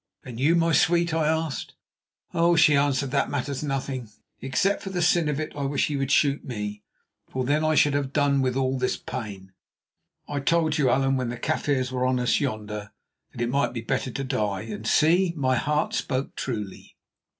"And you, my sweet?" I asked. "Oh!" she answered, "that matters nothing. Except for the sin of it I wish he would shoot me, for then I should have done with all this pain. I told you, Allan, when the Kaffirs were on us yonder, that it might be better to die; and see, my heart spoke truly."